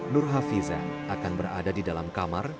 nur hafizen akan berada di dalam kamar